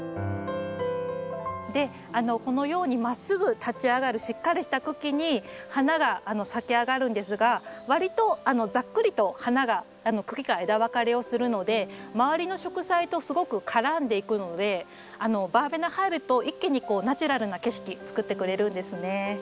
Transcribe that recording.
でこのようにまっすぐ立ち上がるしっかりした茎に花が咲き上がるんですがわりとざっくりと花が茎から枝分かれをするので周りの植栽とすごく絡んでいくのでバーベナ入ると一気にこうナチュラルな景色作ってくれるんですね。